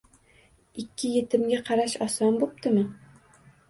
Ikki yetimga qarash oson bo'ptimi?!